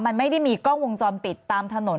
มันไม่ได้มีกล้องวงจรปิดตามถนน